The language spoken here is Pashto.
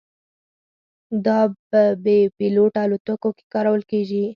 دا په بې پیلوټه الوتکو کې کارول کېږي.